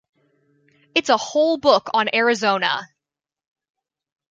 It's a whole book on Arizona.